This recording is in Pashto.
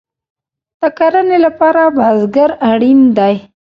د کرنې لپاره بزګر اړین دی